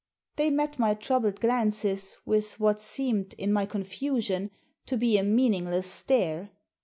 They met my troubled glances with what seemed, in my confusion, to be a meaningless stare.